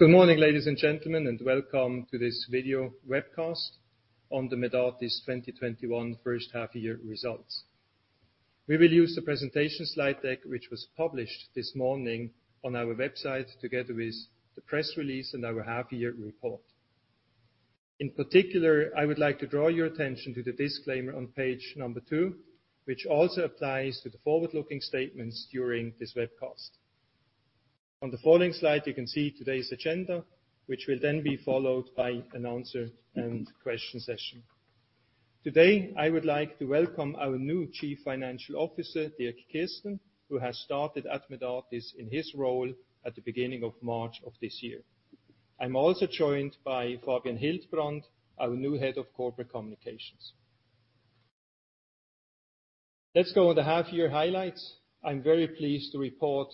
Good morning, ladies and gentlemen, welcome to this video webcast on the Medartis 2021 first half-year results. We will use the presentation slide deck, which was published this morning on our website, together with the press release and our half-year report. In particular, I would like to draw your attention to the disclaimer on page number two, which also applies to the forward-looking statements during this webcast. On the following slide, you can see today's agenda, which will then be followed by an answer and question session. Today, I would like to welcome our new Chief Financial Officer, Dirk Kirsten, who has started at Medartis in his role at the beginning of March of this year. I'm also joined by Fabian Hildbrand, our new Head of Corporate Communications. Let's go on the half-year highlights. I'm very pleased to report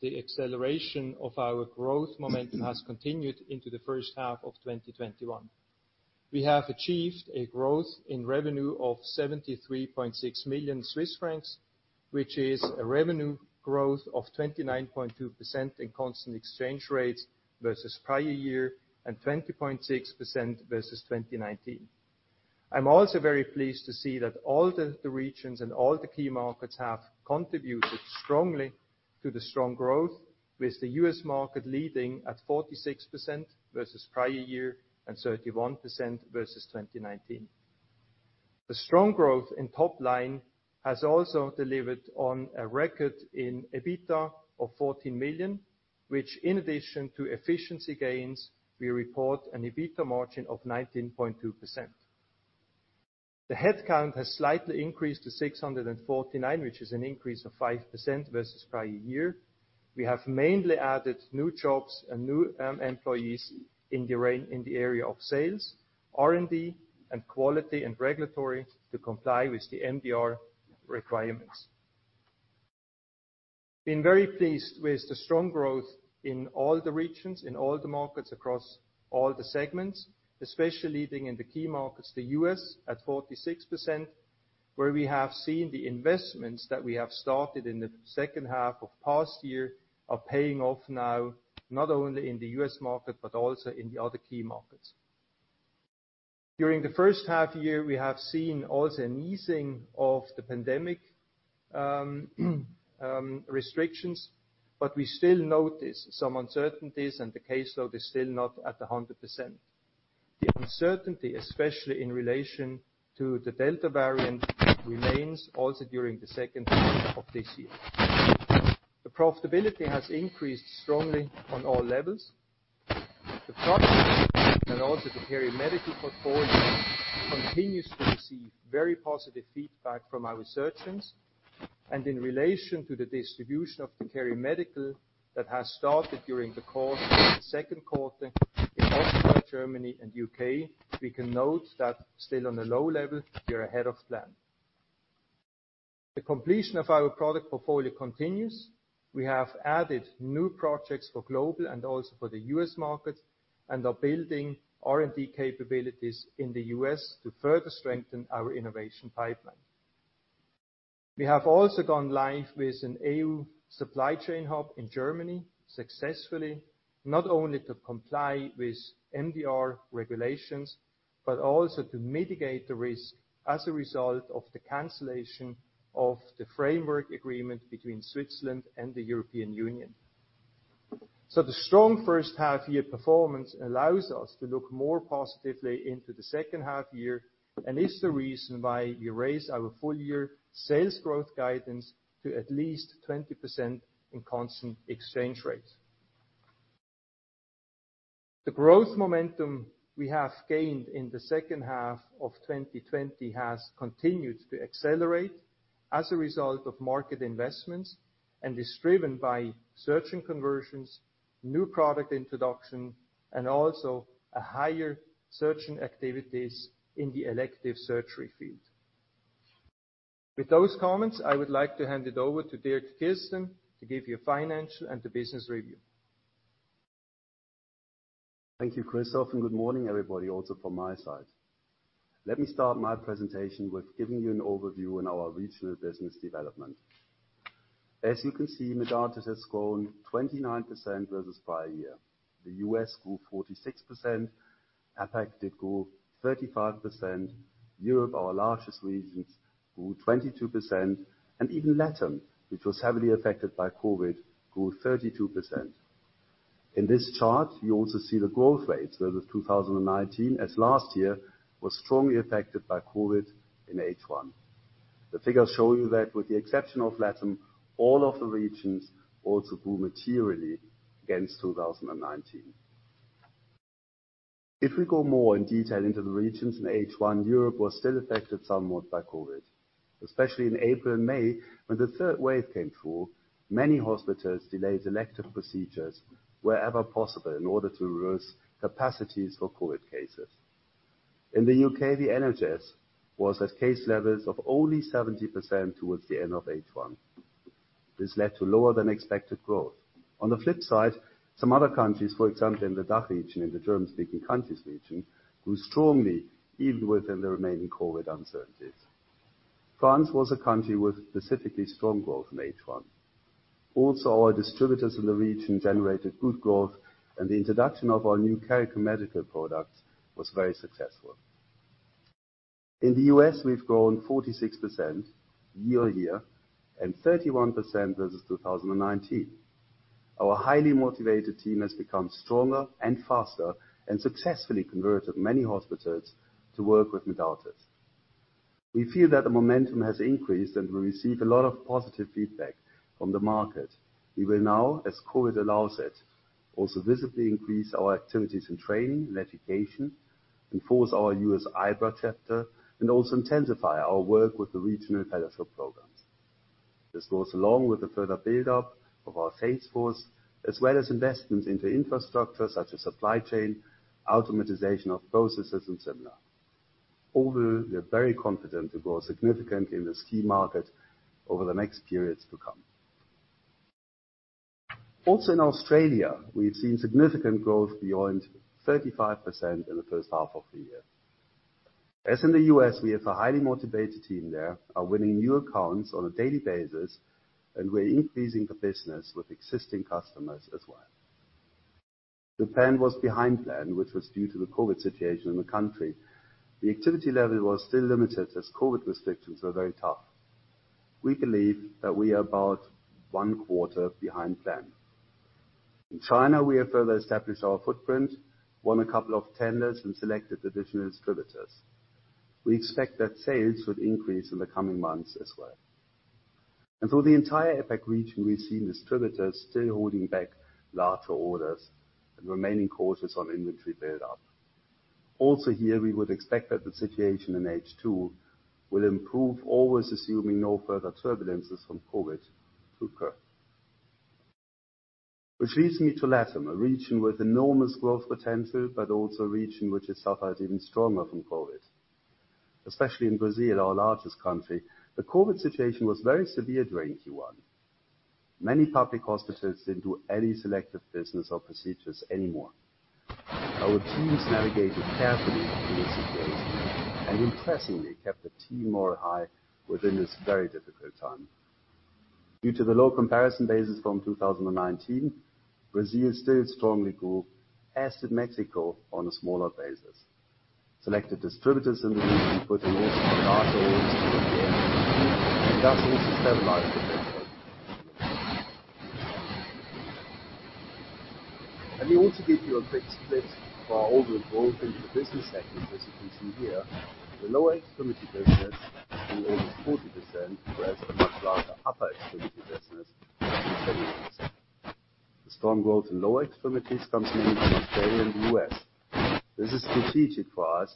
that the acceleration of our growth momentum has continued into the first half of 2021. We have achieved a growth in revenue of 73.6 million Swiss francs, which is a revenue growth of 29.2% in constant exchange rates versus prior year, and 20.6% versus 2019. I'm also very pleased to see that all the regions and all the key markets have contributed strongly to the strong growth, with the U.S. market leading at 46% versus prior year, and 31% versus 2019. The strong growth in top line has also delivered on a record in EBITDA of 14 million, which in addition to efficiency gains, we report an EBITDA margin of 19.2%. The headcount has slightly increased to 649, which is an increase of 5% versus prior year. We have mainly added new jobs and new employees in the area of sales, R&D, and quality and regulatory to comply with the MDR requirements. We have been very pleased with the strong growth in all the regions, in all the markets across all the segments, especially leading in the key markets, the U.S. at 46%, where we have seen the investments that we have started in the second half of last year are paying off now, not only in the U.S. market, but also in the other key markets. During the first half year, we have seen also an easing of the pandemic restrictions, but we still notice some uncertainties, and the caseload is still not at 100%. The uncertainty, especially in relation to the Delta variant, remains also during the second half of this year. The profitability has increased strongly on all levels. The product and also the KeriMedical portfolio continues to receive very positive feedback from our surgeons. In relation to the distribution of the KeriMedical that has started during the course of the second quarter in Austria, Germany, and U.K., we can note that still on a low level, we are ahead of plan. The completion of our product portfolio continues. We have added new projects for global and also for the U.S. market, and are building R&D capabilities in the U.S. to further strengthen our innovation pipeline. We have also gone live with an EU supply chain hub in Germany successfully, not only to comply with MDR regulations, but also to mitigate the risk as a result of the cancellation of the framework agreement between Switzerland and the European Union. The strong first half-year performance allows us to look more positively into the second half-year, and is the reason why we raised our full year sales growth guidance to at least 20% in constant exchange rates. The growth momentum we have gained in the second half of 2020 has continued to accelerate as a result of market investments, and is driven by surgeon conversions, new product introduction, and also a higher surgical activities in the elective surgery field. With those comments, I would like to hand it over to Dirk Kirsten to give you a financial and business review. Thank you, Christoph, and good morning, everybody, also from my side. Let me start my presentation with giving you an overview on our regional business development. As you can see, Medartis has grown 29% versus prior year. The U.S. grew 46%, APAC did grow 35%, Europe, our largest region, grew 22%, and even LATAM, which was heavily affected by COVID, grew 32%. In this chart, you also see the growth rates versus 2019, as last year was strongly affected by COVID in H1. The figures show you that with the exception of LATAM, all of the regions also grew materially against 2019. If we go more in detail into the regions in H1, Europe was still affected somewhat by COVID, especially in April and May, when the third wave came through, many hospitals delayed elective procedures wherever possible in order to raise capacities for COVID cases. In the U.K., the NHS was at case levels of only 70% towards the end of H1. This led to lower than expected growth. On the flip side, some other countries, for example, in the DACH region, in the German-speaking countries region, grew strongly even within the remaining COVID uncertainties. France was a country with specifically strong growth in H1. Also, our distributors in the region generated good growth, and the introduction of our new KeriMedical products was very successful. In the U.S., we've grown 46% year-over-year and 31% versus 2019. Our highly motivated team has become stronger and faster, and successfully converted many hospitals to work with Medartis. We feel that the momentum has increased, and we receive a lot of positive feedback from the market. We will now, as COVID allows it, also visibly increase our activities in training and education, enforce our U.S. IBRA chapter, and also intensify our work with the regional fellowship programs. This goes along with the further buildup of our sales force, as well as investments into infrastructure such as supply chain, automatization of processes, and similar. Overall, we are very confident to grow significantly in this key market over the next periods to come. Also in Australia, we've seen significant growth beyond 35% in the first half of the year. As in the U.S., we have a highly motivated team there, are winning new accounts on a daily basis, and we're increasing the business with existing customers as well. Japan was behind plan, which was due to the COVID situation in the country. The activity level was still limited as COVID restrictions were very tough. We believe that we are about one quarter behind plan. In China, we have further established our footprint, won a couple of tenders, and selected additional distributors. We expect that sales would increase in the coming months as well. Through the entire APAC region, we've seen distributors still holding back larger orders and remaining cautious on inventory buildup. Also here, we would expect that the situation in H2 will improve, always assuming no further turbulences from COVID to occur. Leads me to LATAM, a region with enormous growth potential, but also a region which has suffered even stronger from COVID. Especially in Brazil, our largest country, the COVID situation was very severe during Q1. Many public hospitals didn't do any selective business or procedures anymore. Our teams navigated carefully through this situation and impressively kept the team morale high within this very difficult time. Due to the low comparison basis from 2019, Brazil still strongly grew, as did Mexico on a smaller basis. Selected distributors in the region put in also larger orders toward the end of Q2, thus also stabilized the trend going into the second half. Let me also give you a quick split of our overall growth into business segments as you can see here. The lower extremity business grew almost 40%, whereas the much larger upper extremity business grew 30%. The strong growth in lower extremities comes mainly from Australia and the U.S. This is strategic for us,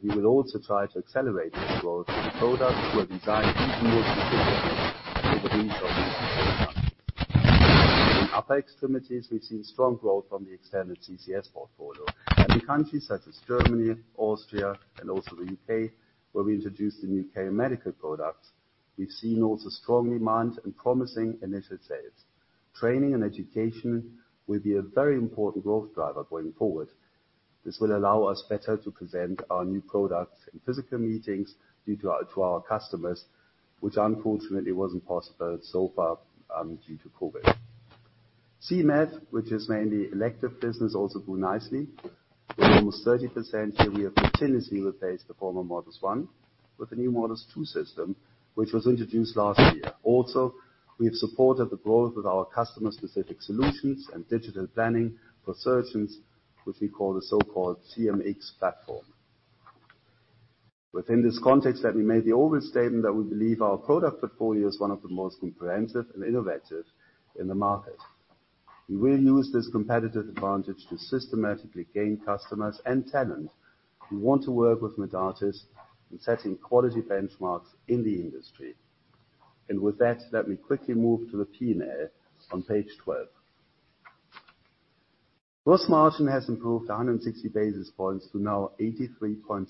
we will also try to accelerate this growth with products who are designed even more specifically for the needs of these two countries. In upper extremities, we've seen strong growth from the extended TCS portfolio. In countries such as Germany, Austria, and also the U.K., where we introduced the new KeriMedical products, we've seen also strong demand and promising initial sales. Training and education will be a very important growth driver going forward. This will allow us better to present our new products in physical meetings to our customers, which unfortunately wasn't possible so far due to COVID. CMF, which is mainly elective business, also grew nicely at almost 30% here. We have continuously replaced the former MODUS I with the new MODUS II system, which was introduced last year. We have supported the growth with our customer-specific solutions and digital planning for surgeons, which we call the so-called CMX platform. Within this context, let me make the overall statement that we believe our product portfolio is one of the most comprehensive and innovative in the market. We will use this competitive advantage to systematically gain customers and talent who want to work with Medartis in setting quality benchmarks in the industry. With that, let me quickly move to the P&L on page 12. Gross margin has improved 160 basis points to now 83.6%.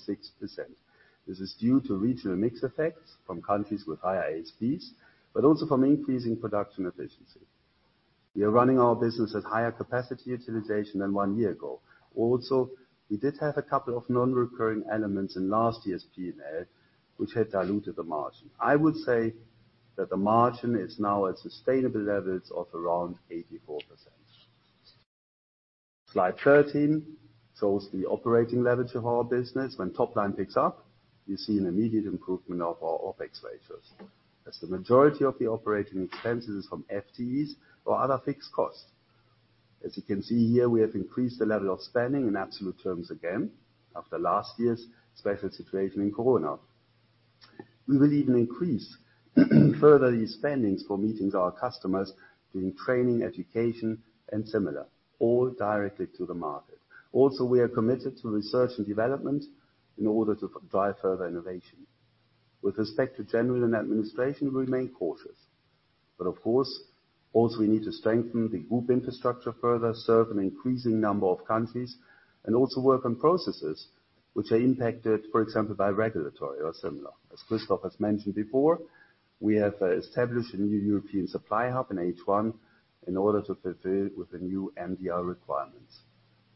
This is due to regional mix effects from countries with higher ASPs, but also from increasing production efficiency. We are running our business at higher capacity utilization than one year ago. We did have a couple of non-recurring elements in last year's P&L which had diluted the margin. I would say that the margin is now at sustainable levels of around 84%. Slide 13 shows the operating leverage of our business. When top line picks up, you see an immediate improvement of our OpEx ratios as the majority of the operating expenses is from FTEs or other fixed costs. As you can see here, we have increased the level of spending in absolute terms again after last year's special situation in Corona. We will even increase further these spendings for meetings with our customers, doing training, education, and similar, all directly to the market. We are committed to research and development in order to drive further innovation. With respect to general and administration, we remain cautious. Of course, also we need to strengthen the group infrastructure further, serve an increasing number of countries, and also work on processes which are impacted, for example, by regulatory or similar. As Christoph has mentioned before, we have established a new European supply hub in H1 in order to fulfill with the new MDR requirements.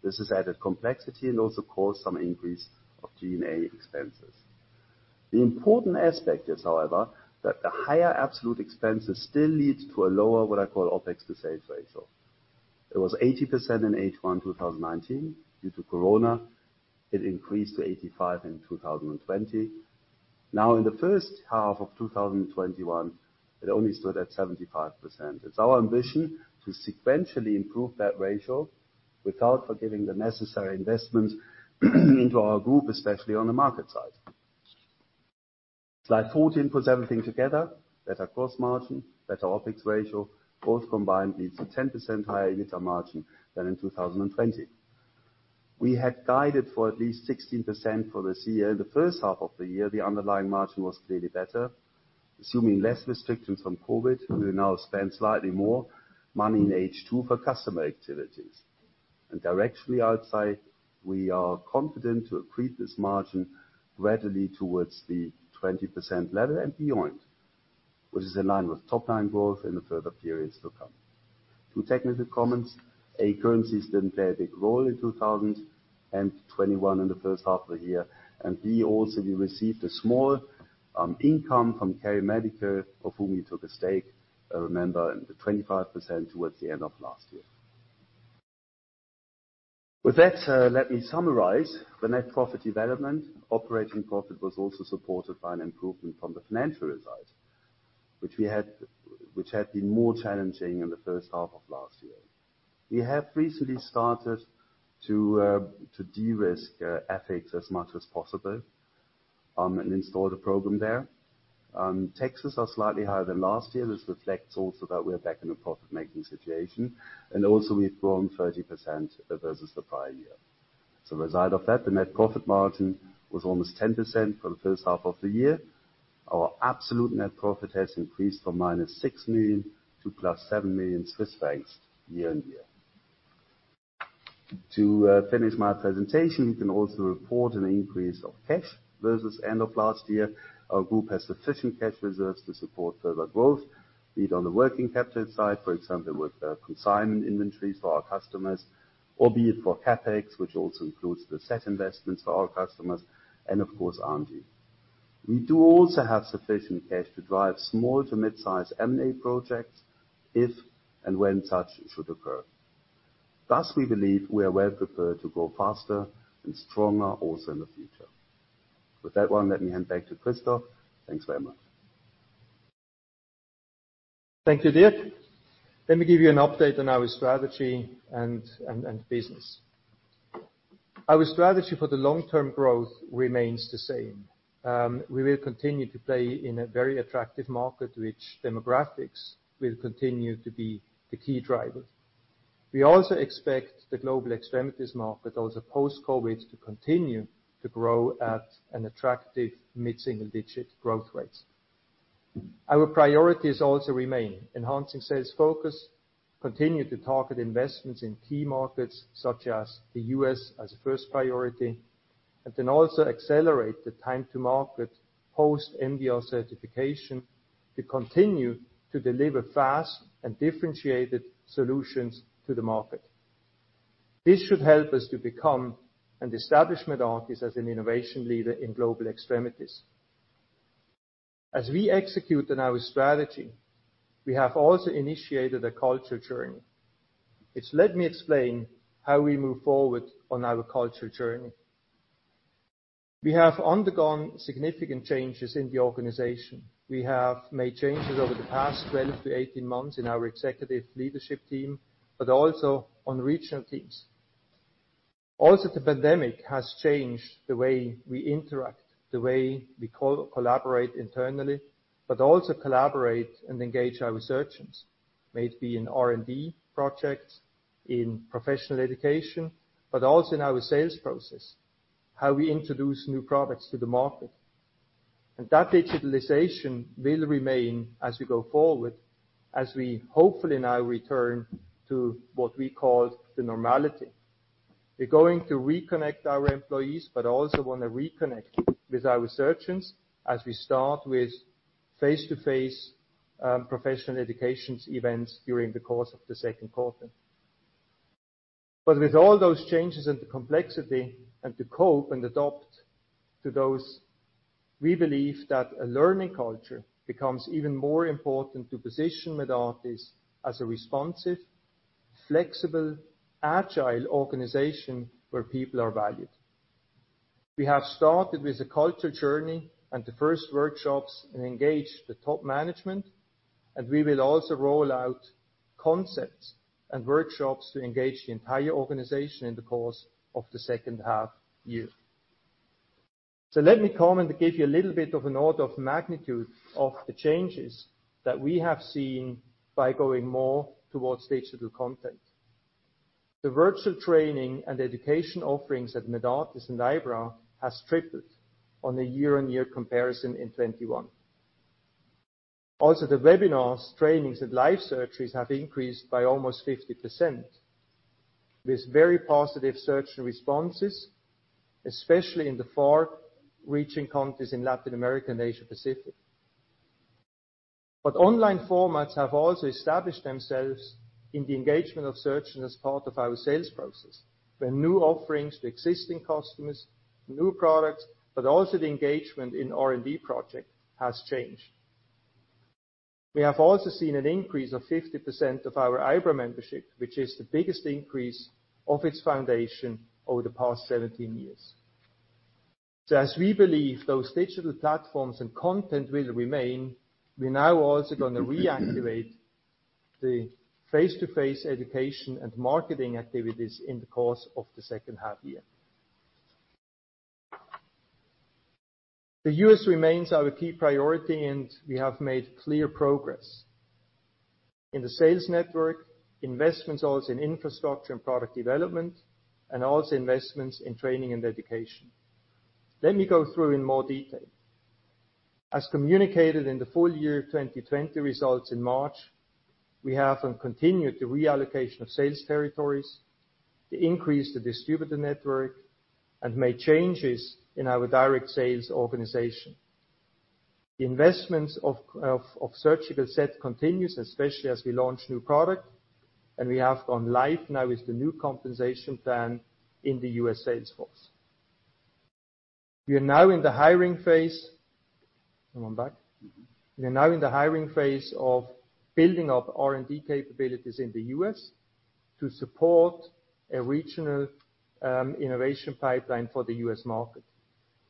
This has added complexity and also caused some increase of G&A expenses. The important aspect is, however, that the higher absolute expenses still lead to a lower, what I call, OpEx to sales ratio. It was 80% in H1 2019. Due to corona, it increased to 85% in 2020. Now, in the first half of 2021, it only stood at 75%. It's our ambition to sequentially improve that ratio without forgetting the necessary investments into our group, especially on the market side. Slide 14 puts everything together. Better gross margin, better OpEx ratio. Both combined leads to 10% higher EBITDA margin than in 2020. We had guided for at least 16% for this year. In the first half of the year, the underlying margin was clearly better. Assuming less restrictions from COVID, we will now spend slightly more money in H2 for customer activities. Directly outside, we are confident to accrete this margin readily towards the 20% level and beyond, which is in line with top-line growth in the further periods to come. Two technical comments. A, currencies didn't play a big role in 2021 in the first half of the year. B, also, we received a small income from KeriMedical, of whom we took a stake, remember, in the 25% towards the end of last year. With that, let me summarize the net profit development. Operating profit was also supported by an improvement from the financial result, which had been more challenging in the first half of last year. We have recently started to de-risk CapEx as much as possible, and installed a program there. Taxes are slightly higher than last year. This reflects also that we're back in a profit-making situation, and also we've grown 30% versus the prior year. As a result of that, the net profit margin was almost 10% for the first half of the year. Our absolute net profit has increased from -6 million to +7 million Swiss francs year-on-year. To finish my presentation, we can also report an increase of cash versus end of last year. Our group has sufficient cash reserves to support further growth, be it on the working capital side, for example, with consignment inventories for our customers, or be it for CapEx, which also includes the set investments for our customers, and of course, R&D. We do also have sufficient cash to drive small to mid-size M&A projects if and when such should occur. Thus, we believe we are well prepared to grow faster and stronger also in the future. With that one, let me hand back to Christoph. Thanks very much. Thank you, Dirk. Let me give you an update on our strategy and business. Our strategy for the long-term growth remains the same. We will continue to play in a very attractive market, which demographics will continue to be the key driver. We also expect the global extremities market, also post-COVID, to continue to grow at an attractive mid-single-digit growth rates. Our priorities also remain: enhancing sales focus, continue to target investments in key markets such as the U.S. as a first priority, and then also accelerate the time to market post-MDR certification to continue to deliver fast and differentiated solutions to the market. This should help us to establish Medartis as an innovation leader in global extremities. As we execute on our strategy, we have also initiated a culture journey. Let me explain how we move forward on our culture journey. We have undergone significant changes in the organization. We have made changes over the past 12-18 months in our Executive Leadership Team, but also on regional teams. The pandemic has changed the way we interact, the way we collaborate internally, but also collaborate and engage our surgeons, may it be in R&D projects, in professional education, but also in our sales process, how we introduce new products to the market. That digitalization will remain as we go forward, as we hopefully now return to what we call the normality. We're going to reconnect our employees, but also want to reconnect with our surgeons as we start with face-to-face professional education events during the course of the second quarter. With all those changes and the complexity, and to cope and adopt to those, we believe that a learning culture becomes even more important to position Medartis as a responsive, flexible, agile organization where people are valued. We have started with a culture journey and the first workshops, and engaged the top management, and we will also roll out concepts and workshops to engage the entire organization in the course of the second half year. Let me comment and give you a little bit of an order of magnitude of the changes that we have seen by going more towards digital content. The virtual training and education offerings at Medartis and IBRA has tripled on a year-on-year comparison in 2021. Also, the webinars, trainings, and live surgeries have increased by almost 50%, with very positive surgeon responses, especially in the far-reaching countries in Latin America and Asia Pacific. Online formats have also established themselves in the engagement of surgeons as part of our sales process, where new offerings to existing customers, new products, also the engagement in R&D project has changed. We have also seen an increase of 50% of our IBRA membership, which is the biggest increase of its foundation over the past 17 years. As we believe those digital platforms and content will remain, we are now also going to reactivate the face-to-face education and marketing activities in the course of the second half year. The U.S. remains our key priority. We have made clear progress in the sales network, investments also in infrastructure and product development, and also investments in training and education. Let me go through in more detail. As communicated in the full year 2020 results in March, we have and continue the reallocation of sales territories to increase the distributor network and made changes in our direct sales organization. The investments of surgical set continues, especially as we launch new product, and we have gone live now with the new compensation plan in the U.S. sales force. We are now in the hiring phase of building up R&D capabilities in the U.S. to support a regional innovation pipeline for the U.S. market.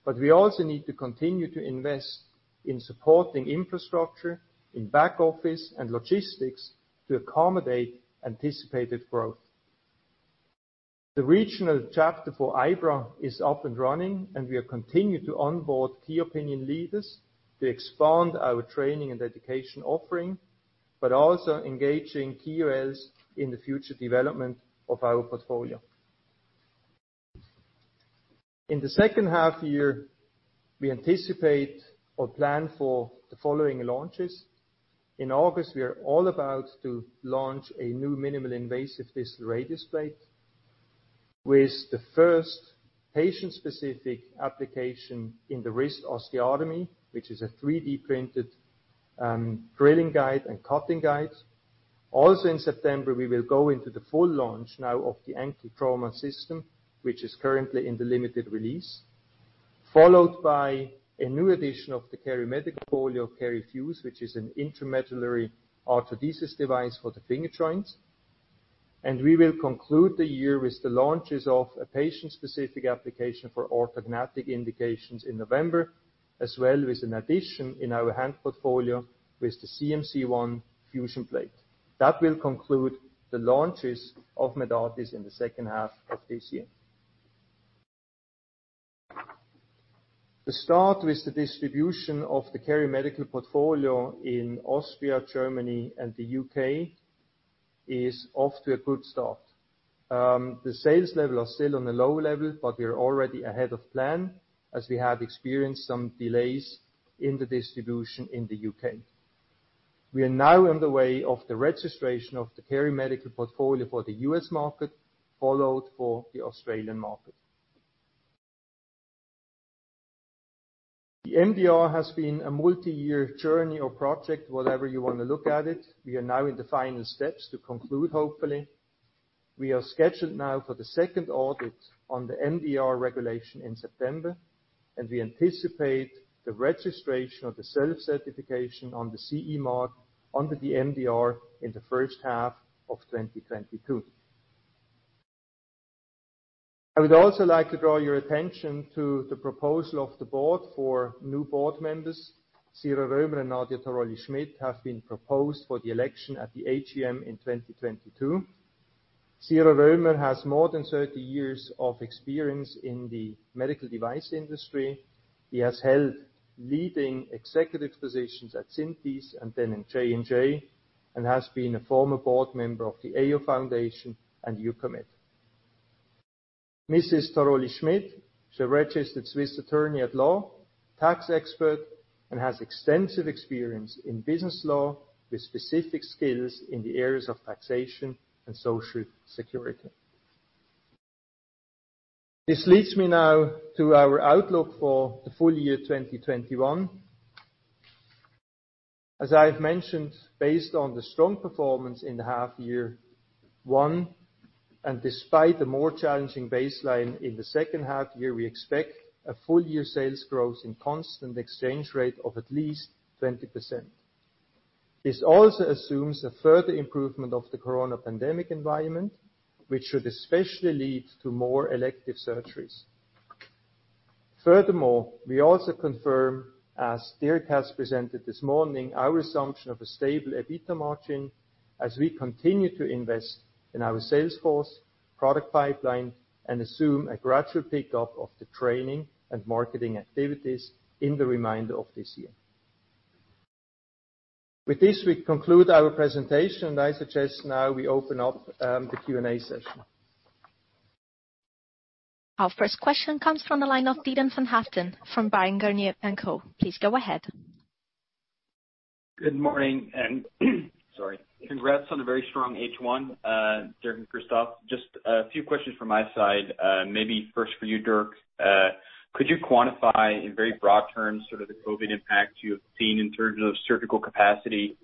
We also need to continue to invest in supporting infrastructure, in back office, and logistics to accommodate anticipated growth. The regional chapter for IBRA is up and running, and we are continuing to onboard key opinion leaders to expand our training and education offering, but also engaging KOLs in the future development of our portfolio. In the second half year, we anticipate or plan for the following launches. In August, we are all about to launch a new minimally invasive distal radius plate with the first patient-specific application in the wrist osteotomy, which is a 3D-printed drilling guide and cutting guide. Also in September, we will go into the full launch now of the Ankle Trauma System, which is currently in the limited release, followed by a new edition of the KeriMedical portfolio, KeriFuse, which is an intramedullary arthrodesis device for the finger joints. We will conclude the year with the launches of a patient-specific application for orthognathic indications in November, as well with an addition in our hand portfolio with the CMC-I Fusion Plate. That will conclude the launches of Medartis in the second half of this year. The start with the distribution of the KeriMedical portfolio in Austria, Germany, and the U.K. is off to a good start. The sales level are still on a low level, but we are already ahead of plan as we have experienced some delays in the distribution in the U.K. We are now on the way of the registration of the KeriMedical portfolio for the U.S. market, followed for the Australian market. The MDR has been a multi-year journey or project, however you want to look at it. We are now in the final steps to conclude, hopefully. We are scheduled now for the second audit on the MDR regulation in September, and we anticipate the registration of the self-certification on the CE mark under the MDR in the first half of 2022. I would also like to draw your attention to the proposal of the board for new board members. Ciro Roemer and Nadia Tarolli Schmidt have been proposed for the election at the AGM in 2022. Ciro Roemer has more than 30 years of experience in the medical device industry. He has held leading executive positions at Synthes and then in J&J, and has been a former board member of the AO Foundation and Eucomed. Mrs. Tarolli Schmidt is a registered Swiss attorney at law, tax expert, and has extensive experience in business law with specific skills in the areas of taxation and social security. This leads me now to our outlook for the full year 2021. As I have mentioned, based on the strong performance in the half year one, and despite the more challenging baseline in the second half year, we expect a full year sales growth in constant exchange rate of at least 20%. This also assumes a further improvement of the corona pandemic environment, which should especially lead to more elective surgeries. We also confirm, as Dirk has presented this morning, our assumption of a stable EBITDA margin as we continue to invest in our sales force, product pipeline, and assume a gradual pickup of the training and marketing activities in the remainder of this year. With this, we conclude our presentation, and I suggest now we open up the Q&A session. Our first question comes from the line of Dylan van Haaften from Bryan, Garnier & Co. Please go ahead. Good morning, sorry. Congrats on a very strong H1, Dirk and Christoph. Just a few questions from my side. Maybe first for you, Dirk. Could you quantify in very broad terms the COVID impact you have seen in terms of surgical capacity?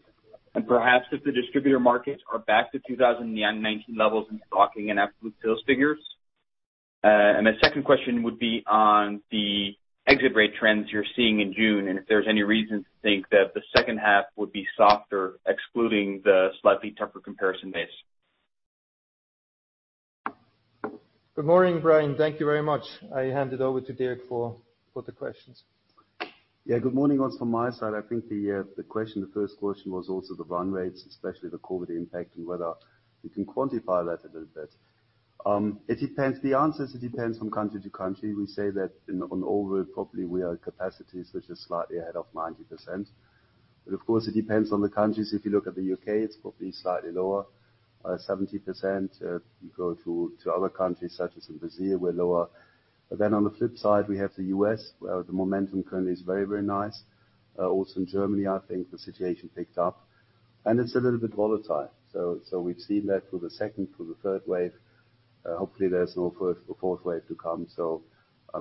Perhaps if the distributor markets are back to 2019 levels in stocking and absolute sales figures? My second question would be on the exit rate trends you're seeing in June, and if there's any reason to think that the second half would be softer, excluding the slightly tougher comparison base. Good morning, Brian. Thank you very much. I hand it over to Dirk for the questions. Good morning also from my side. I think the first question was also the run rates, especially the COVID impact, and whether we can quantify that a little bit. The answer is, it depends from country to country. We say that on overall, probably we are at capacities which is slightly ahead of 90%. Of course, it depends on the countries. If you look at the U.K., it's probably slightly lower, 70%. You go to other countries, such as in Brazil, we're lower. On the flip side, we have the U.S., where the momentum currently is very nice. In Germany, I think the situation picked up, and it's a little bit volatile. We've seen that through the second to the third wave. Hopefully, there's no fourth wave to come,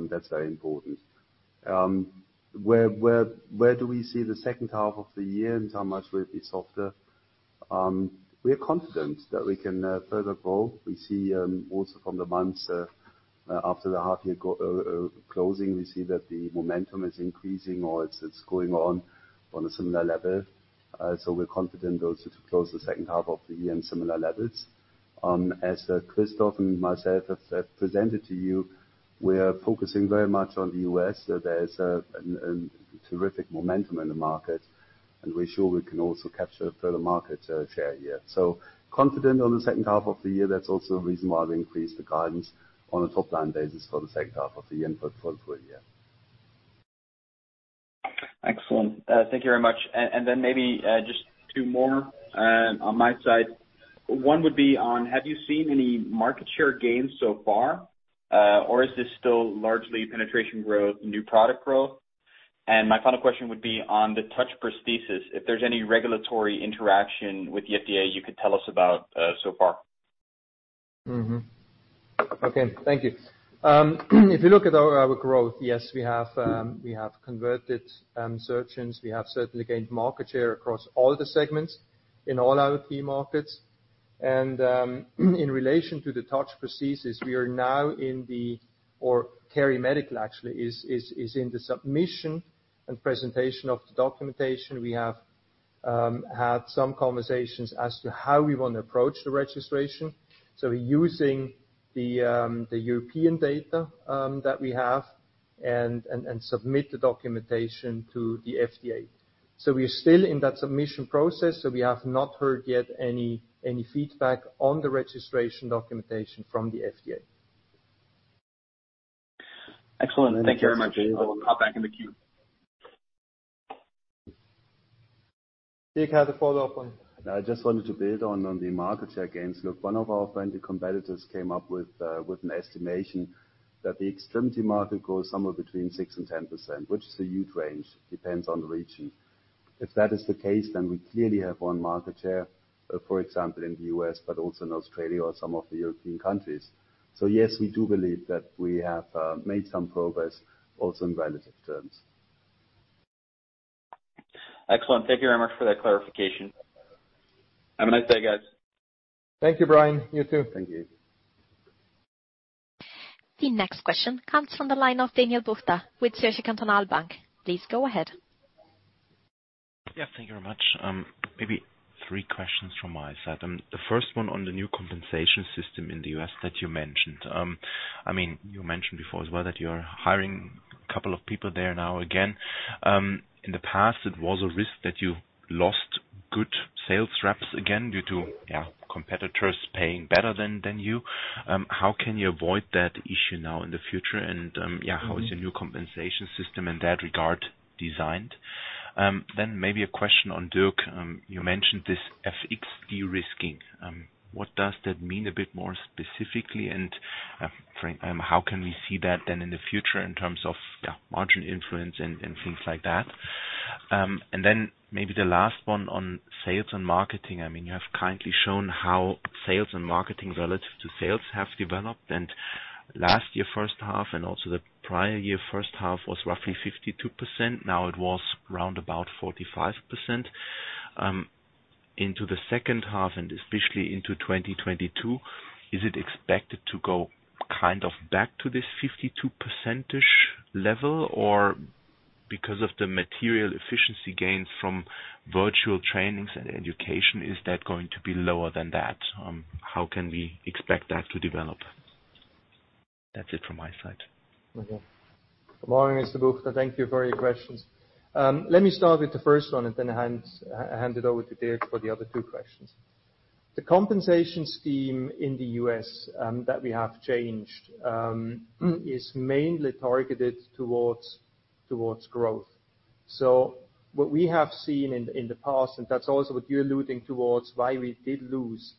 that's very important. Where do we see the second half of the year in terms of much will it be softer? We are confident that we can further grow. We see also from the months after the half year closing, we see that the momentum is increasing or it's going on a similar level. We're confident also to close the second half of the year in similar levels. As Christoph and myself have presented to you, we are focusing very much on the U.S. There's a terrific momentum in the market, and we're sure we can also capture further market share here. We are confident on the second half of the year. That's also the reason why we increased the guidance on a top-line basis for the second half of the year and for the full year. Excellent. Thank you very much. Then maybe just two more on my side. One would be on, have you seen any market share gains so far? Or is this still largely penetration growth, new product growth? My final question would be on the TOUCH prosthesis, if there's any regulatory interaction with the FDA you could tell us about so far. Mm-hmm. Okay. Thank you. If you look at our growth, yes, we have converted surgeons. We have certainly gained market share across all the segments in all our key markets. In relation to the TOUCH prosthesis, KeriMedical actually is in the submission and presentation of the documentation. We have had some conversations as to how we want to approach the registration. We are using the European data that we have and submit the documentation to the FDA. We are still in that submission process, so we have not heard yet any feedback on the registration documentation from the FDA. Excellent. Thank you very much. I will pop back in the queue. Dirk has a follow-up on. I just wanted to build on the market share gains. One of our friendly competitors came up with an estimation that the extremity market grows somewhere between 6%-10%, which is a huge range, depends on the region. If that is the case, we clearly have won market share, for example, in the U.S., but also in Australia or some of the European countries. Yes, we do believe that we have made some progress also in relative terms. Excellent. Thank you very much for that clarification. Have a nice day, guys. Thank you, Brian. You too. Thank you. The next question comes from the line of Daniel Buchta with Zürcher Kantonalbank. Please go ahead. Yeah, thank you very much. Maybe three questions from my side. The first one on the new compensation system in the U.S. that you mentioned. You mentioned before as well that you're hiring a couple of people there now again. In the past, it was a risk that you lost good sales reps again due to competitors paying better than you. How can you avoid that issue now in the future? How is your new compensation system in that regard designed? Maybe a question on Dirk. You mentioned this FX de-risking. What does that mean a bit more specifically, and how can we see that then in the future in terms of margin influence and things like that? Maybe the last one on sales and marketing. You have kindly shown how sales and marketing relative to sales have developed, and last year first half and also the prior year first half was roughly 52%. Now it was around about 45%. Into the second half and especially into 2022, is it expected to go back to this 52% level? Or because of the material efficiency gains from virtual trainings and education, is that going to be lower than that? How can we expect that to develop? That's it from my side. Good morning, Mr. Buchta. Thank you for your questions. Let me start with the first one and then hand it over to Dirk for the other two questions. The compensation scheme in the U.S. that we have changed is mainly targeted towards growth. What we have seen in the past, and that's also what you're alluding towards, why we did lose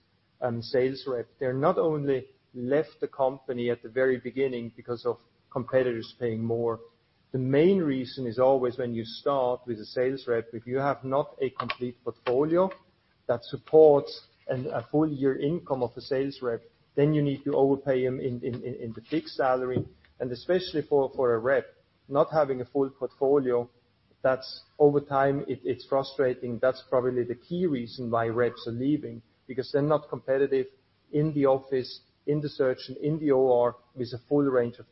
sales rep. They not only left the company at the very beginning because of competitors paying more. The main reason is always when you start with a sales rep, if you have not a complete portfolio that supports a full year income of a sales rep, then you need to overpay him in the fixed salary. Especially for a rep, not having a full portfolio, over time it's frustrating. That's probably the key reason why reps are leaving, because they're not competitive in the office, in the search, and in the OR, with a full range of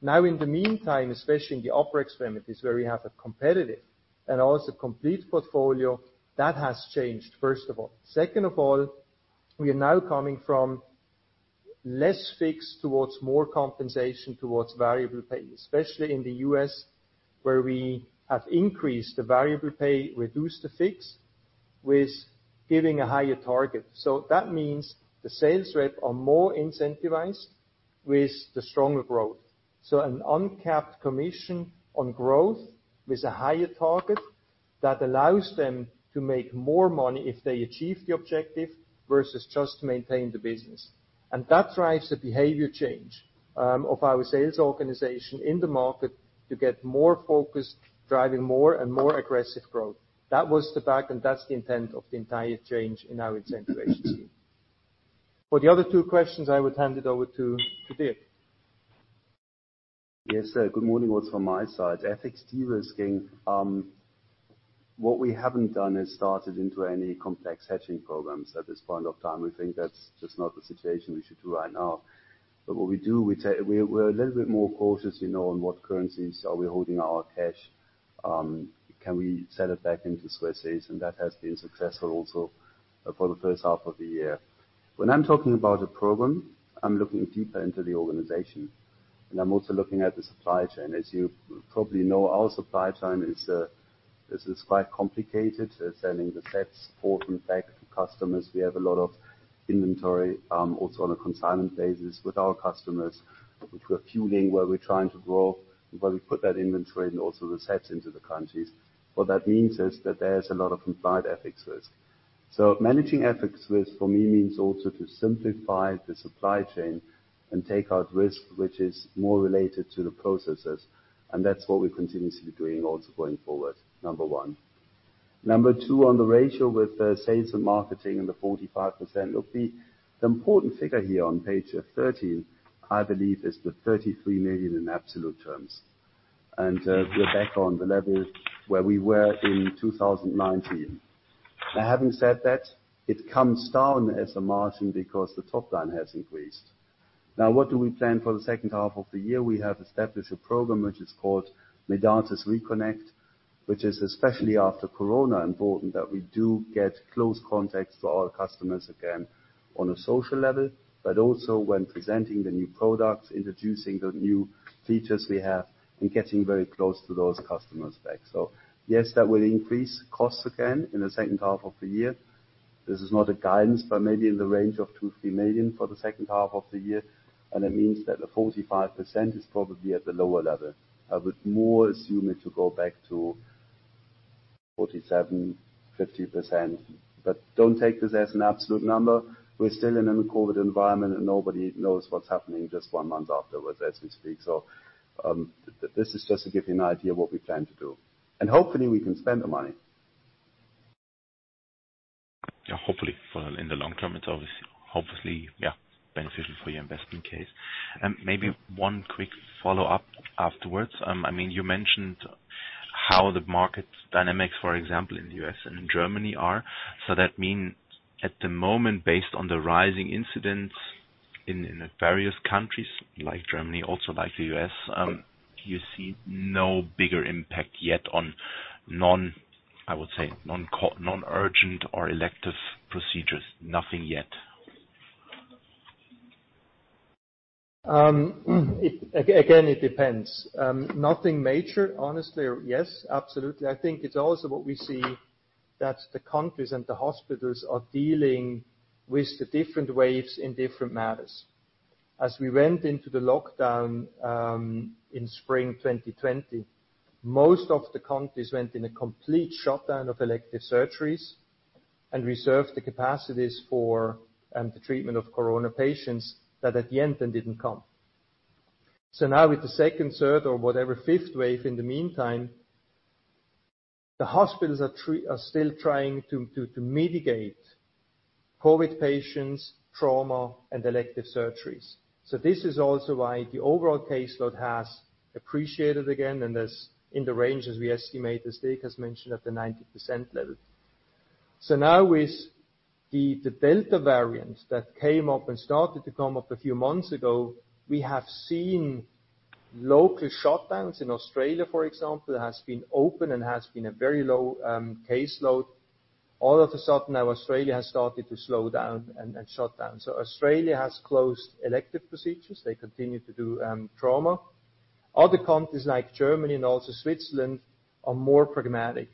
portfolio. In the meantime, especially in the upper extremities where we have a competitive and also complete portfolio, that has changed, first of all. Second of all, we are now coming from less fixed towards more compensation towards variable pay, especially in the U.S. where we have increased the variable pay, reduced the fixed, with giving a higher target. That means the sales rep are more incentivized with the stronger growth. An uncapped commission on growth with a higher target, that allows them to make more money if they achieve the objective versus just maintain the business. That drives the behavior change of our sales organization in the market to get more focused, driving more and more aggressive growth. That was the back, and that's the intent of the entire change in our incentive scheme. For the other two questions, I would hand it over to Dirk. Yes. Good morning also from my side. FX de-risking. What we haven't done is started into any complex hedging programs at this point of time. We think that's just not the situation we should do right now. What we do, we're a little bit more cautious in what currencies are we holding our cash. Can we sell it back into Swissies? That has been successful also for the first half of the year. When I'm talking about a program, I'm looking deeper into the organization, and I'm also looking at the supply chain. As you probably know, our supply chain is quite complicated. Sending the sets forth and back to customers. We have a lot of inventory, also on a consignment basis with our customers, which we're tuning, where we're trying to grow, and where we put that inventory and also the sets into the countries. What that means is that there's a lot of implied FX risk. Managing FX risk for me means also to simplify the supply chain and take out risk which is more related to the processes, and that's what we continuously doing also going forward, number one. Number two, on the ratio with the sales and marketing and the 45%, look, the important figure here on page 13, I believe is the 33 million in absolute terms. We're back on the level where we were in 2019. Having said that, it comes down as a margin because the top line has increased. What do we plan for the second half of the year? We have established a program which is called Medartis Reconnect, which is, especially after Corona, important that we do get close contacts to our customers again on a social level, but also when presenting the new products, introducing the new features we have, and getting very close to those customers back. Yes, that will increase costs again in the second half of the year. This is not a guidance, maybe in the range of 2 million-3 million for the second half of the year. That means that the 45% is probably at the lower level. I would more assume it to go back to 47%-50%. Don't take this as an absolute number. We're still in a COVID environment, nobody knows what's happening just one month afterwards as we speak. This is just to give you an idea what we plan to do, and hopefully we can spend the money. Yeah, hopefully. In the long term, it's obviously beneficial for your investment case. Maybe one quick follow-up afterwards. You mentioned how the market dynamics, for example, in the U.S. and in Germany are. That mean, at the moment, based on the rising incidents in the various countries like Germany, also like the U.S., you see no bigger impact yet on non-urgent or elective procedures? Nothing yet. It depends. Nothing major. Honestly. Yes, absolutely. I think it's also what we see that the countries and the hospitals are dealing with the different waves in different matters. We went into the lockdown, in spring 2020, most of the countries went in a complete shutdown of elective surgeries and reserved the capacities for the treatment of Corona patients that at the end then didn't come. Now with the second, third, or whatever, fifth wave in the meantime, the hospitals are still trying to mitigate COVID patients, trauma, and elective surgeries. This is also why the overall caseload has appreciated again, and is in the range as we estimate, as Dirk has mentioned, at the 90% level. Now with the Delta variant that came up and started to come up a few months ago, we have seen local shutdowns in Australia, for example, that has been open and has seen a very low caseload. All of a sudden, now Australia has started to slow down and shut down. Australia has closed elective procedures. They continue to do trauma. Other countries like Germany and also Switzerland are more pragmatic.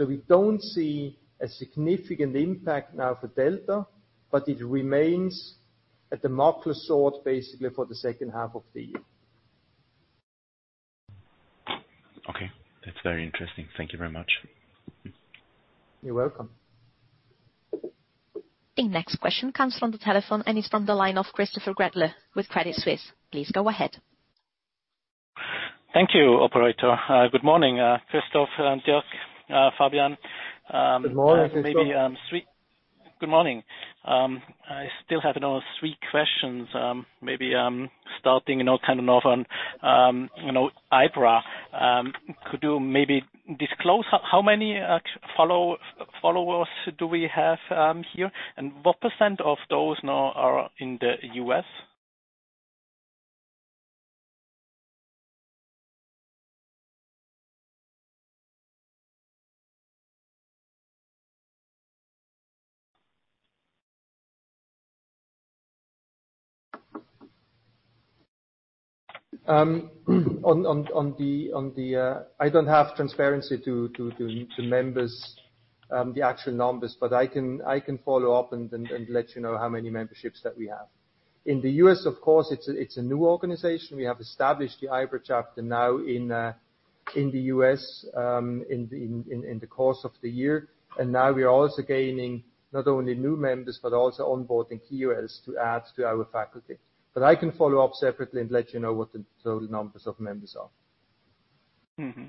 We don't see a significant impact now for Delta, but it remains a Damocles sword basically for the second half of the year. Okay. That's very interesting. Thank you very much. You're welcome. The next question comes from the telephone and it is from the line of Christoph Gretler with Credit Suisse. Please go ahead. Thank you, operator. Good morning, Christoph, Dirk, Fabian. Good morning, Christoph. Good morning. I still have another three questions. Maybe starting off on IBRA. Could you maybe disclose how many followers do we have here? What percent of those now are in the U.S.? I don't have transparency to members, the actual numbers, but I can follow up and let you know how many memberships that we have. In the U.S., of course, it's a new organization. We have established the IBRA chapter now in the U.S. in the course of the year, and now we are also gaining not only new members, but also onboarding KOLs to add to our faculty. I can follow up separately and let you know what the total numbers of members are. Mm-hmm.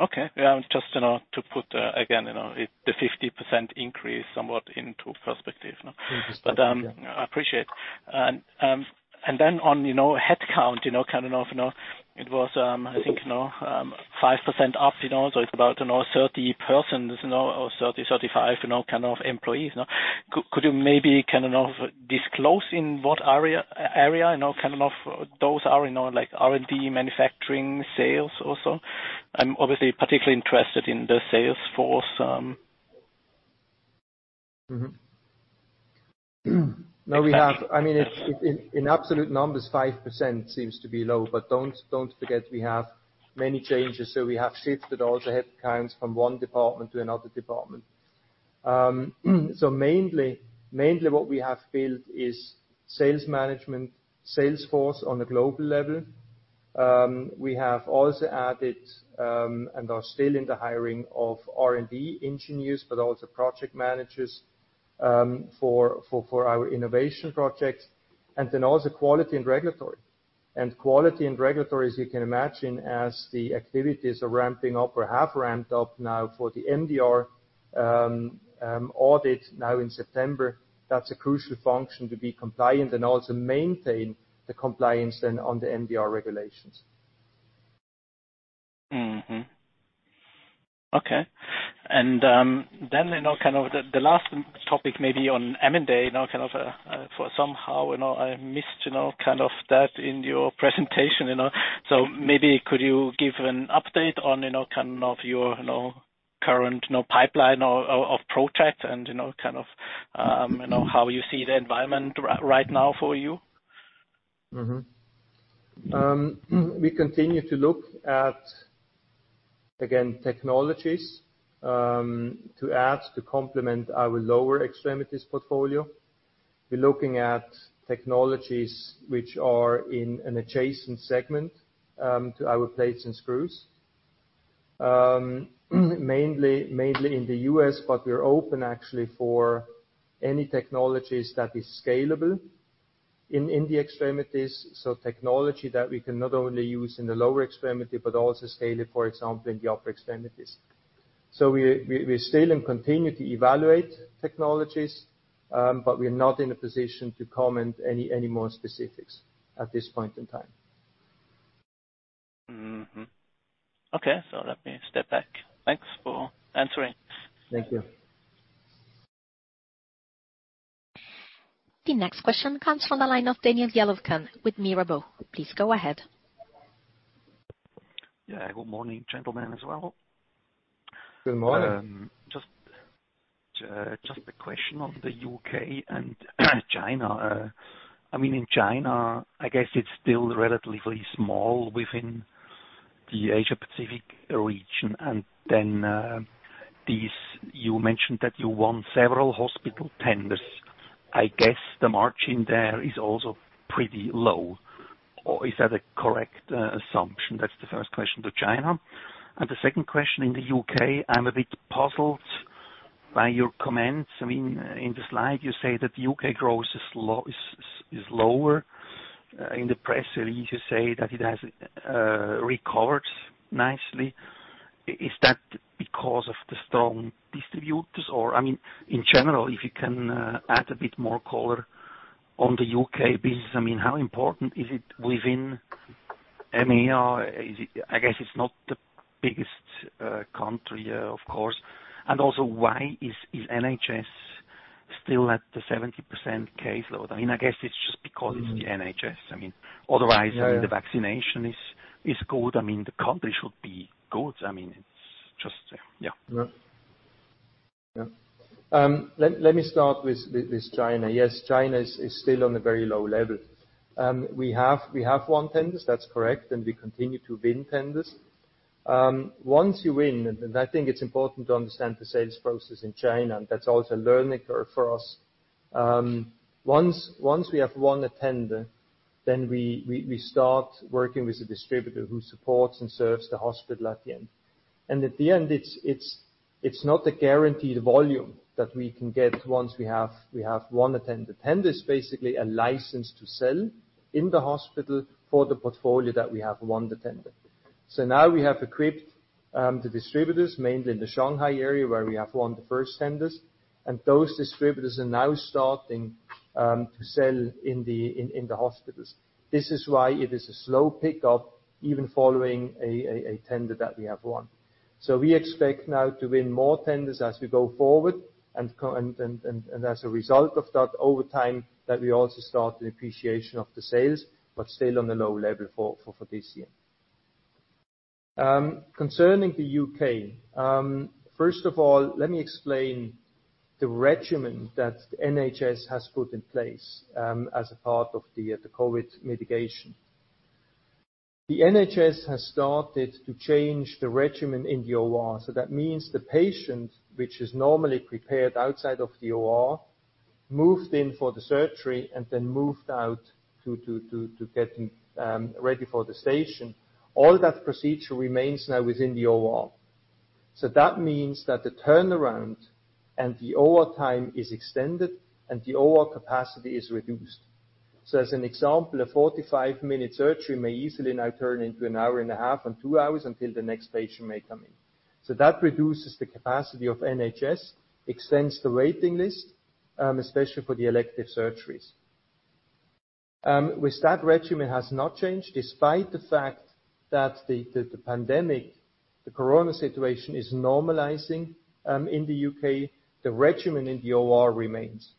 Okay. Just to put, again, the 50% increase somewhat into perspective. Interesting. Yeah. I appreciate it. On headcount, it was, I think, 5% up. It's about 30 persons or 30, 35 kind of employees. Could you maybe disclose in what area those are, like R&D, manufacturing, sales or so on? I'm obviously particularly interested in the sales force. Mm-hmm. In absolute numbers, 5% seems to be low. Do not forget, we have many changes. We have shifted also headcounts from one department to another department. Mainly what we have built is sales management, sales force on a global level. We have also added, and are still in the hiring of R&D engineers, also project managers, for our innovation projects. Also quality and regulatory. Quality and regulatory, as you can imagine, as the activities are ramping up or have ramped up now for the MDR audit now in September, that's a crucial function to be compliant and also maintain the compliance then on the MDR regulations. Okay. The last topic maybe on M&A now. Somehow, I missed that in your presentation. Maybe could you give an update on your current pipeline of projects and how you see the environment right now for you? We continue to look at, again, technologies, to add, to complement our lower extremities portfolio. We're looking at technologies which are in an adjacent segment, to our plates and screws. Mainly in the U.S., but we're open actually for any technologies that is scalable in the extremities. Technology that we can not only use in the lower extremity, but also scale it, for example, in the upper extremities. We still continue to evaluate technologies, but we are not in a position to comment any more specifics at this point in time. Okay, let me step back. Thanks for answering. Thank you. The next question comes from the line of Daniel Jelovcan with Mirabaud. Please go ahead. Yeah. Good morning, gentlemen as well. Good morning. Just a question on the U.K. and China. In China, I guess it's still relatively small within the Asia Pacific region. You mentioned that you won several hospital tenders. I guess the margin there is also pretty low. Is that a correct assumption? That's the first question to China. The second question in the U.K., I'm a bit puzzled by your comments. In the slide you say that U.K. growth is lower. In the press release, you say that it has recovered nicely. Is that because of the strong distributors or in general, if you can add a bit more color on the U.K. business. How important is it within Medartis? I guess it's not the biggest country, of course. Why is NHS still at the 70% caseload? I guess it's just because it's the NHS. Yeah The vaccination is good. The country should be good. It's just Yeah. Yeah. Let me start with China. Yes, China is still on a very low level. We have won tenders, that's correct. We continue to win tenders. Once you win, and I think it's important to understand the sales process in China, and that's also a learning curve for us. Once we have won a tender, we start working with the distributor who supports and serves the hospital at the end. At the end, it's not a guaranteed volume that we can get once we have won a tender. Tender is basically a license to sell in the hospital for the portfolio that we have won the tender. Now we have equipped the distributors, mainly in the Shanghai area where we have won the first tenders. Those distributors are now starting to sell in the hospitals. This is why it is a slow pickup even following a tender that we have won. We expect now to win more tenders as we go forward, and as a result of that, over time, that we also start the appreciation of the sales, but still on a low level for this year. Concerning the U.K., first of all, let me explain the regimen that NHS has put in place as a part of the COVID mitigation. The NHS has started to change the regimen in the OR. That means the patient, which is normally prepared outside of the OR, moved in for the surgery, and then moved out to get ready for the station. All that procedure remains now within the OR. That means that the turnaround and the OR time is extended, and the OR capacity is reduced. As an example, a 45-minute surgery may easily now turn into an hour and a half and two hours until the next patient may come in. That reduces the capacity of NHS, extends the waiting list, especially for the elective surgeries. With that regimen has not changed, despite the fact that the pandemic, the coronavirus situation, is normalizing in the U.K., the regimen in the OR remains.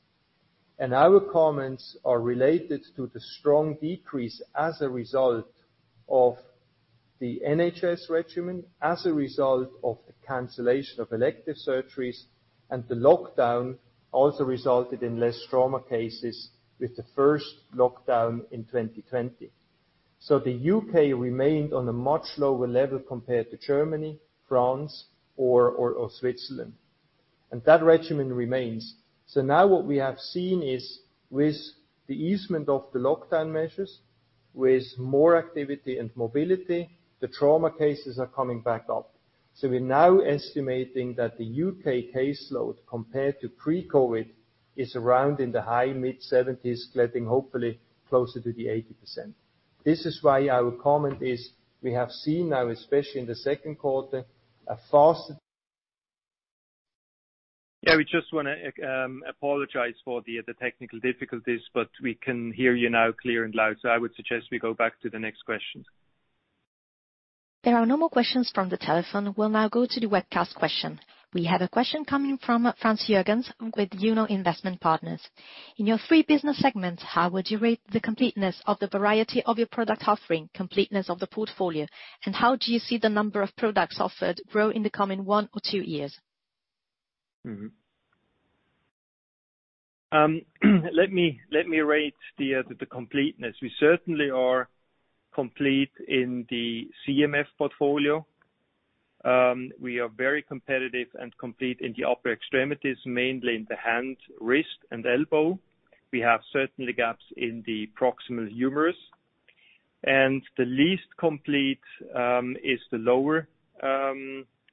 Our comments are related to the strong decrease as a result of the NHS regimen, as a result of the cancellation of elective surgeries, and the lockdown also resulted in less trauma cases with the first lockdown in 2020. The U.K. remained on a much lower level compared to Germany, France, or Switzerland, and that regimen remains. Now what we have seen is with the easement of the lockdown measures, with more activity and mobility, the trauma cases are coming back up. We're now estimating that the U.K. caseload, compared to pre-COVID, is around in the high mid-70%s, getting hopefully closer to the 80%. This is why our comment is we have seen now, especially in the second quarter. Yeah, we just want to apologize for the technical difficulties, but we can hear you now clear and loud. I would suggest we go back to the next question. There are no more questions from the telephone. We'll now go to the webcast question. We have a question coming from Frans Jurgens with Juno Investment Partners. In your three business segments, how would you rate the completeness of the variety of your product offering, completeness of the portfolio, and how do you see the number of products offered grow in the coming one or two years? Let me rate the completeness. We certainly are complete in the CMF portfolio. We are very competitive and complete in the upper extremities, mainly in the hand, wrist, and elbow. We have certainly gaps in the proximal humerus. The least complete is the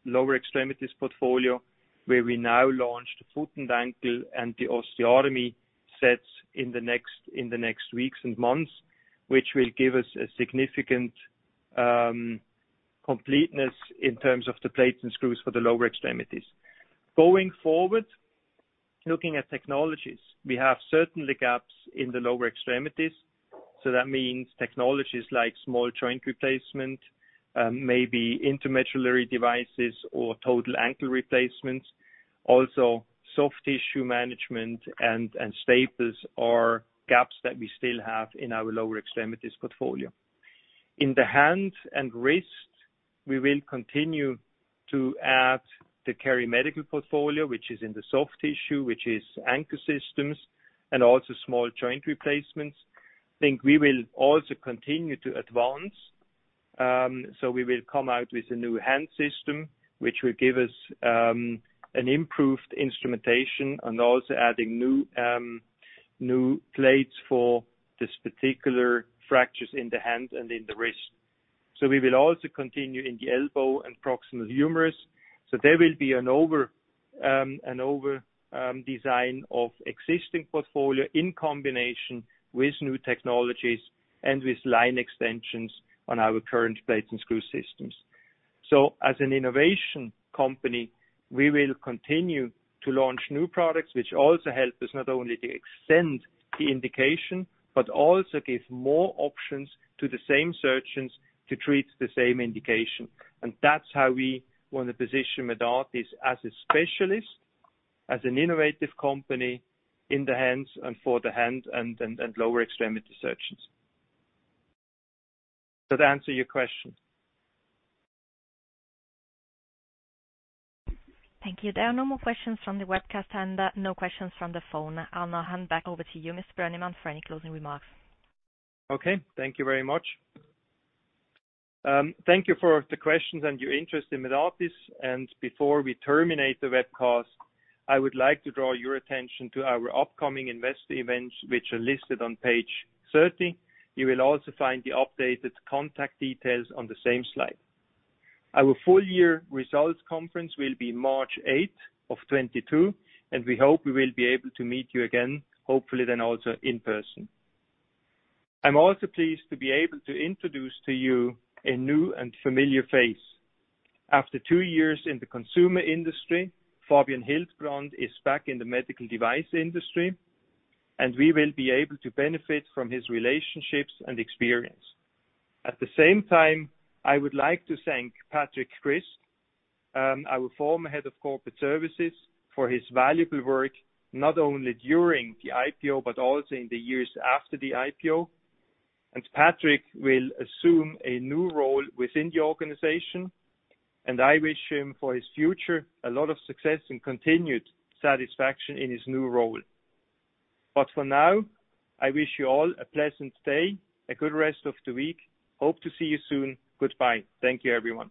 lower extremities portfolio, where we now launched foot and ankle and osteotomy sets in the next weeks and months, which will give us a significant completeness in terms of the plates and screws for the lower extremities. Going forward, looking at technologies, we have certainly gaps in the lower extremities. That means technologies like small joint replacement, maybe intramedullary devices or total ankle replacements. Also, soft tissue management and staplers are gaps that we still have in our lower extremities portfolio. In the hand and wrist, we will continue to add the KeriMedical portfolio, which is in the soft tissue, which is anchor systems and also small joint replacements. I think we will also continue to advance. We will come out with a new hand system, which will give us an improved instrumentation and also adding new plates for these particular fractures in the hand and in the wrist. We will also continue in the elbow and proximal humerus. There will be an overdesign of existing portfolio in combination with new technologies and with line extensions on our current plates and screw systems. As an innovation company, we will continue to launch new products, which also help us not only to extend the indication, but also give more options to the same surgeons to treat the same indication. That's how we want to position Medartis as a specialist, as an innovative company in the hands and for the hand and lower extremity surgeons. Does that answer your question? Thank you. There are no more questions from the webcast, and no questions from the phone. I'll now hand back over to you, Mr. Brönnimann, for any closing remarks. Okay. Thank you very much. Thank you for the questions and your interest in Medartis. Before we terminate the webcast, I would like to draw your attention to our upcoming investor events, which are listed on page 30. You will also find the updated contact details on the same slide. Our full year results conference will be March 8th, 2022, and we hope we will be able to meet you again, hopefully then also in person. I am also pleased to be able to introduce to you a new and familiar face. After two years in the consumer industry, Fabian Hildbrand is back in the medical device industry, and we will be able to benefit from his relationships and experience. At the same time, I would like to thank Patrick Christ, our former Head Corporate Services, for his valuable work, not only during the IPO, but also in the years after the IPO. Patrick will assume a new role within the organization, and I wish him for his future a lot of success and continued satisfaction in his new role. For now, I wish you all a pleasant day, a good rest of the week. Hope to see you soon. Goodbye. Thank you, everyone.